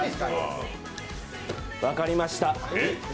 分かりました。